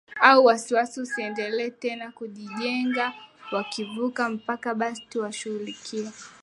au waasi wasiendelee tena kujijenga wakivuka mpaka basi tutawashughulikia